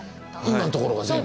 今のところが全部。